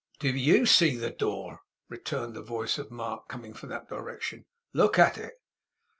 'Do YOU see the door?' returned the voice of Mark, coming from that direction. 'Look at it!